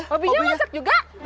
hobinya masak juga